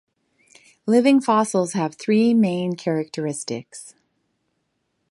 Living fossils have three main characteristics.